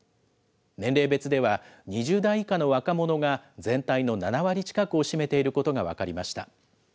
年齢別では、２０代以下の若者が全体の７割近くを占めていることが分かりました。